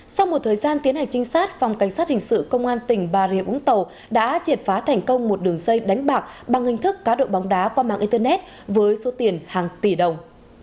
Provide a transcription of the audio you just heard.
sau một thời gian tiến hành trinh sát phòng cảnh sát hình sự công an tỉnh bà rịa vũng tàu đã triệt phá thành công một đường dây đánh bạc bằng hình thức cá độ bóng đá qua mạng internet với số tiền hàng tỷ đồng